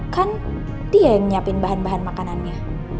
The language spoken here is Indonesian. kan dia yang nyiapin bahan bahan makanannya